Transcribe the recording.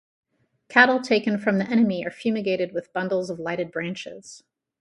Cattle taken from the enemy are fumigated with bundles of lighted branches.